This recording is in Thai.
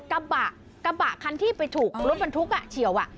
กระบะกระบะคันที่ไปถูกรถบรรทุกเฉียว